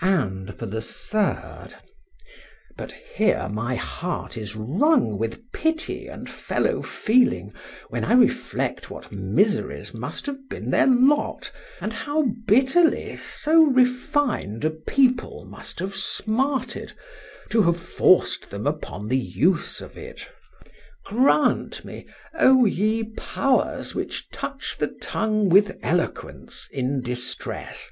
And for the third— —But here my heart is wrung with pity and fellow feeling, when I reflect what miseries must have been their lot, and how bitterly so refined a people must have smarted, to have forced them upon the use of it.— Grant me, O ye powers which touch the tongue with eloquence in distress!